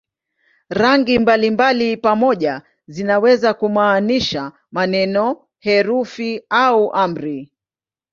Rangi mbalimbali pamoja zinaweza kumaanisha maneno, herufi au amri.